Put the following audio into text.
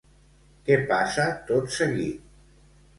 Què passa tot seguit?